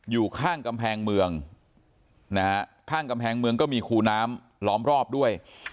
อยู่ข้างกำแพงเมืองนะฮะข้างกำแพงเมืองก็มีคูน้ำล้อมรอบด้วย